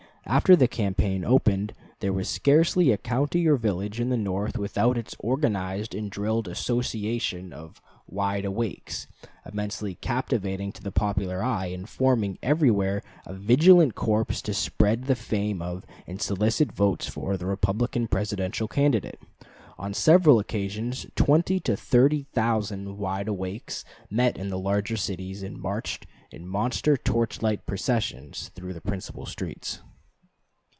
After the campaign opened, there was scarcely a county or village in the North without its organized and drilled association of "Wide Awakes," immensely captivating to the popular eye, and forming everywhere a vigilant corps to spread the fame of, and solicit votes for, the Republican Presidential candidate. On several occasions twenty to thirty thousand "Wide Awakes" met in the larger cities and marched in monster torch light processions through the principal streets.